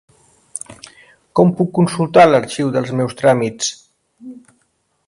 Com puc consultar l'arxiu dels meus tràmits?